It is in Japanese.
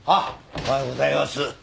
おはようございます。